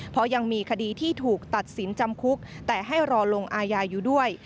เพราะยังมีคดีที่ถูกตัดสินจำคุกแต่ให้รอลงอาญาอยู่ด้วย